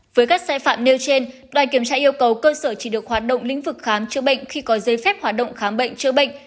với các xe phạm nêu trên đoàn kiểm tra yêu cầu cơ sở chỉ được hoạt động lĩnh vực khám chữa bệnh khi có giấy phép hoạt động khám bệnh chữa bệnh